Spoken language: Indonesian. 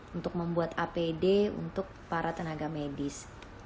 untuk membuat apd untuk para tenaga medis